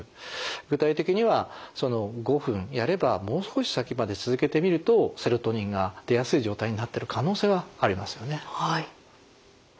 具体的にはその５分やればもう少し先まで続けてみるとセロトニンが出やすい状態になってる可能性はありますよね。